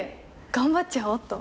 頑張っちゃおっと。